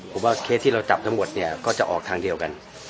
ผมว่าเคสที่เราจับทั้งหมดเนี่ยก็จะออกทางเดียวกัน